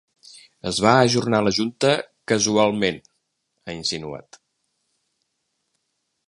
Es va ajornar la junta “casualment”…, ha insinuat.